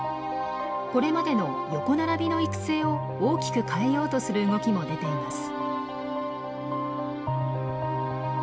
これまでの横並びの育成を大きく変えようとする動きも出ています。